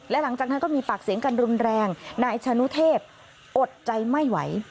และหลังจากนั้นก็มีปากเสียงกันรุนแรงนายชานุเทพอดใจไม่ไหว